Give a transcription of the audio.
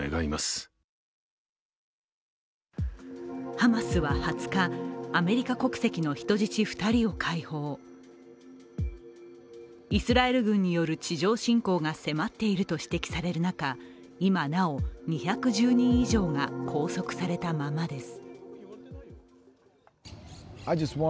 ハマスは２０日、アメリカ国籍の人質２人を解放イスラエル軍による地上侵攻が迫っていると指摘される中今なお２１０人以上が拘束されたままです。